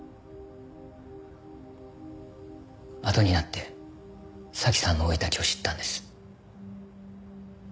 あとになって早紀さんの生い立ちを知ったんです。